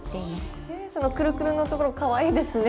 そのくるくるの所かわいいですね。